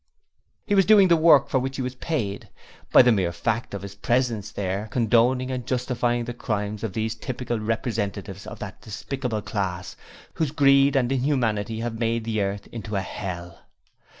He was doing the work for which he was paid. By the mere fact of his presence there, condoning and justifying the crimes of these typical representatives of that despicable class whose greed and inhumanity have made the earth into a hell.